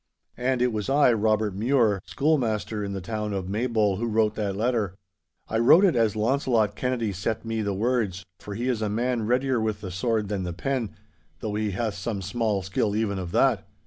'And it was I, Robert Mure, schoolmaster in the town of Maybole, who wrote that letter. I wrote it as Launcelot Kennedy set me the words, for he is a man readier with the sword than the pen, though he hath some small skill even of that.